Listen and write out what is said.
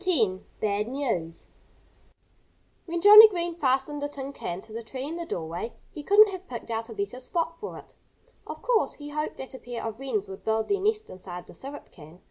X BAD NEWS When Johnnie Green fastened the tin can to the tree in the dooryard he couldn't have picked out a better spot for it. Of course, he hoped that a pair of wrens would build their nest inside the syrup can.